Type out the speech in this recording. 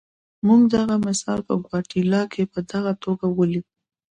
موږ دغه مثال په ګواتیلا کې په ښه توګه ولیده.